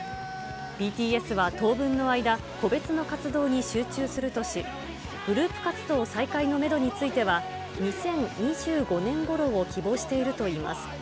ＢＴＳは当分の間、個別の活動に集中するとし、グループ活動再開のメドについては、２０２５年ごろを希望しているといいます。